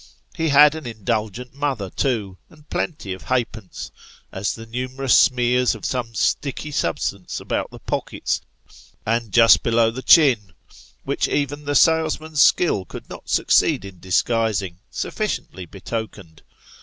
He had an indulgent mother too, and plenty of halfpence, as the numerous smears of some sticky substance about the pockets, and just below the chin, which even the salesman's skill could not succeed in disguising, sufficiently betokened.